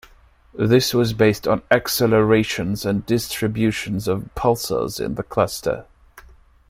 This was based on the accelerations and distributions of pulsars in the cluster.